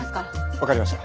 分かりました。